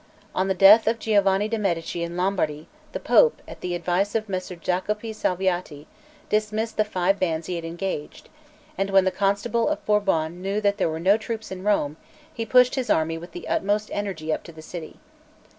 On the death of Giovanni de' Medici in Lombardy, the Pope, at the advice of Messer Jacopo Salviati, dismissed the five bands he had engaged; and when the Constable of Bourbon knew there were no troops in Rome, he pushed his army with the utmost energy up to the city.